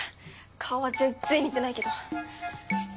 顔は全然似てないけど。